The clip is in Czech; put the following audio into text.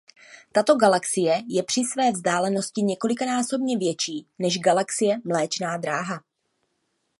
Tato galaxie je při své vzdálenosti několikanásobně větší než galaxie Mléčná dráha.